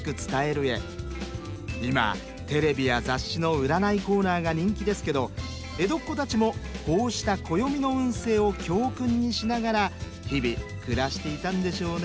今テレビや雑誌の占いコーナーが人気ですけど江戸っ子たちもこうした暦の運勢を教訓にしながら日々暮らしていたんでしょうね。